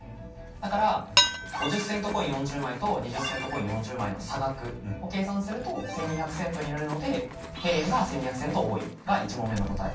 だから５０セントコイン４０枚と２０セントコイン４０枚の差額を計算すると１，２００セントになるのでが１問目の答え。